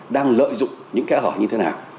đang lợi dụng những cái hỏi như thế nào